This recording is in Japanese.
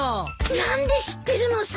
何で知ってるのさ！